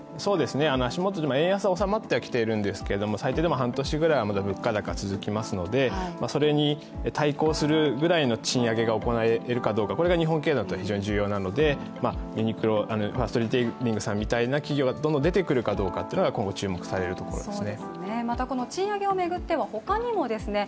足元で円安は収まってはきているんですけど最低でも半年ぐらいはまだ物価高、続きますのでそれに対抗するぐらいの賃上げが行えるかどうか日本経済にとって非常に重要なのでユニクロ、ファーストリテイリングさんみたいな企業が出てくるかというのは今後注目されるところですね。